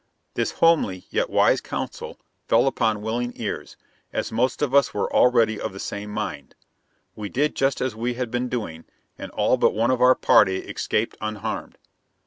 This homely yet wise counsel fell upon willing ears, as most of us were already of the same mind. We did just as we had been doing, and all but one of our party escaped unharmed.